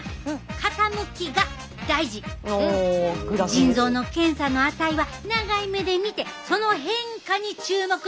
腎臓の検査の値は長い目で見てその変化に注目してな。